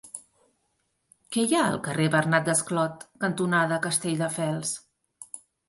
Què hi ha al carrer Bernat Desclot cantonada Castelldefels?